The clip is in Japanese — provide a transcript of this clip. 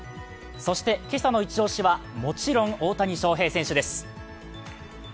そして今朝のイチ押しはもちろん大谷翔平選手です。